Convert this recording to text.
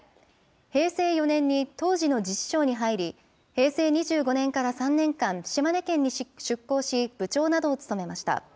平成４年に当時の自治省に入り、平成２５年から３年間、島根県に出向し、部長などを務めました。